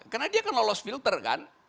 karena dia kan lolos filter kan